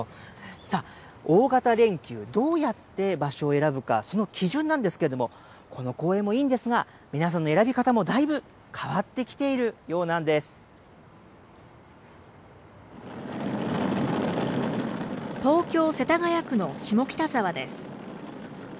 さあ、大型連休、どうやって場所を選ぶか、その基準なんですけれども、この公園もいいんですが、皆さんの選び方もだいぶ変わ東京・世田谷区の下北沢です。